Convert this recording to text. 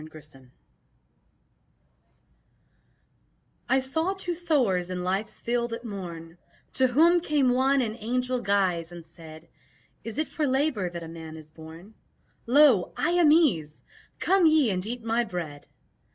Recompense I saw two sowers in Life's field at morn, To whom came one in angel guise and said, "Is it for labour that a man is born? Lo: I am Ease. Come ye and eat my bread!"